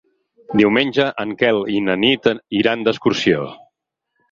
Diumenge en Quel i na Nit iran d'excursió.